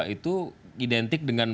itu identik dengan